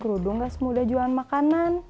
jualan kerudung nggak semudah jualan makanan